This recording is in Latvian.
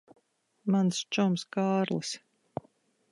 Mans čoms Kārlis.